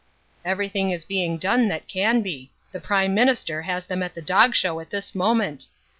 "Everything is being done that can be. The Prime Minister has them at the Dog Show at this moment.